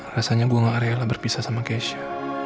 rasanya gue gak rela berpisah sama cash nya